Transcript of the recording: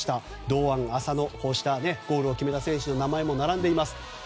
堂安、浅野、こうしたゴールを決めた選手の名前も並んでいます。